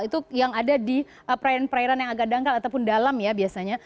itu yang ada di perairan perairan yang agak dangkal ataupun dalam ya biasanya